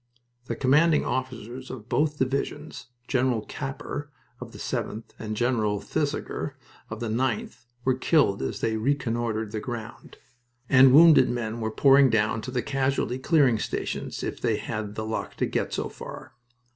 The commanding officers of both divisions, General Capper of the 7th, and General Thesiger of the 9th, were killed as they reconnoitered the ground, and wounded men were pouring down to the casualty clearing stations if they had the luck to get so far.